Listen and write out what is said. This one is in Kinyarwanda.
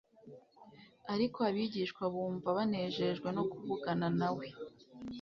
Ariko abigishwa bumva banejejwe no kuvugana na we